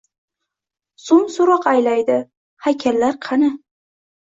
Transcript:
So’ng so’roq aylaydi: «Haykallar qani?»